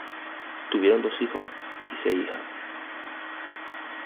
Tuvieron dos hijos y seis hijas.